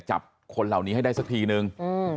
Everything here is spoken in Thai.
จับคนเหล่านี้ให้ได้สักทีนึง